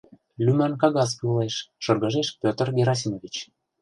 Лӱман кагаз кӱлеш, — шыргыжеш Пӧтыр Герасимович.